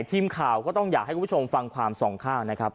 ทีมข่าวก็ต้องอยากให้คุณผู้ชมฟังความสองข้างนะครับ